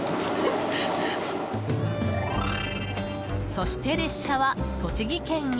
そして列車は栃木県へ。